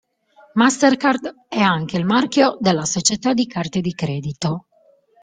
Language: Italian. MasterCard è anche il marchio della società di carte di credito.